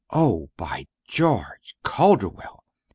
"Oh, by George! Calderwell!"